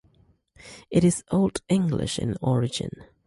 It is Old English in origin.